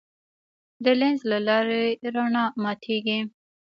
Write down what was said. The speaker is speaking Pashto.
د لینز له لارې رڼا ماتېږي.